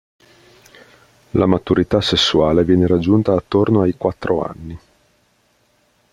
La maturità sessuale viene raggiunta attorno ai quattro anni.